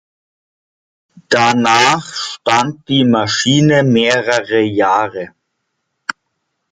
Danach stand die Maschine mehrere Jahre.